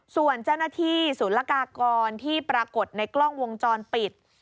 ส่วนเจ้าหน้าที่ศูนย์ละกากรที่ปรากฏในกล้องวงจรปิด